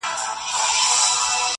د نورو د ستم په گيلاسونو کي ورک نه يم.